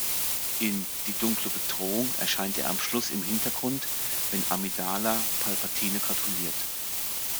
In "Die dunkle Bedrohung" erscheint er am Schluss im Hintergrund, wenn Amidala Palpatine gratuliert.